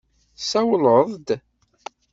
Tsawleḍ-d?